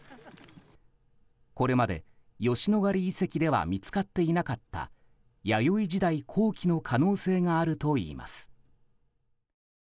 これまで吉野ヶ里遺跡では見つかっていなかった弥生時代後期の可能性があるといいます。